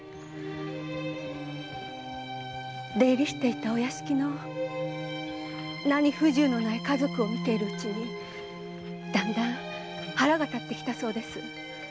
出入りしていたお屋敷の不自由のない家族を見ているうちにだんだん腹が立ってきたそうです。